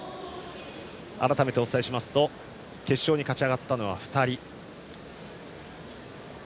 改めてお伝えしますと決勝に勝ち上がったのは２人。